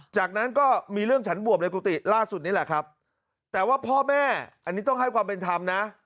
จากนั้นก็มีเรื่องฉันบวบในกุฏิล่าสุดนี่แหละครับแต่ว่าพ่อแม่อันนี้ต้องให้ความเป็นธรรมนะ